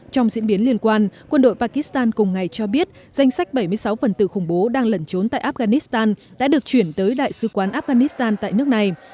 trong diễn biến liên quan quân đội pakistan cùng ngày cho biết danh sách bảy mươi sáu phần tử khủng bố đang lẩn trốn tại afghanistan đã được chuyển tới đại sứ quán afghanistan tại nước này